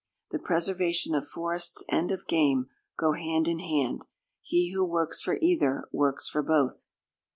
The preservation of forests and of game go hand in hand. He who works for either works for both.